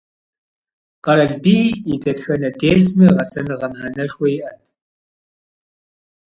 Къэралбий и дэтхэнэ дерсми гъэсэныгъэ мыхьэнэшхуэ иӀэт.